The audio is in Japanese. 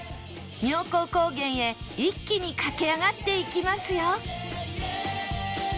妙高高原へ一気に駆け上がっていきますよ